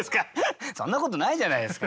そんなことないじゃないですか！